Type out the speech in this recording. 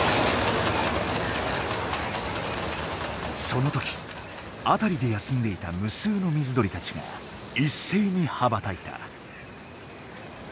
その時辺りで休んでいた無数の水鳥たちが一斉に羽ばたいた。